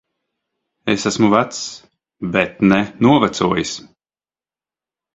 Es esmu vecs. Bet ne novecojis.